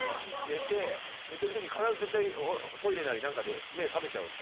寝てる時必ず絶対トイレなりなんかで目覚めちゃうんですよ。